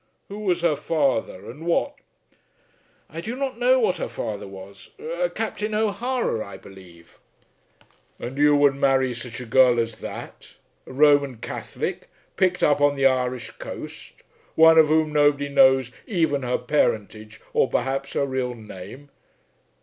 Who was her father, and what?" "I do not know what her father was; a Captain O'Hara, I believe." "And you would marry such a girl as that; a Roman Catholic; picked up on the Irish coast, one of whom nobody knows even her parentage or perhaps her real name?